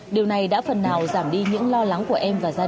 điều này đã phần nào giảm đi những lo lắng của em và giáo dục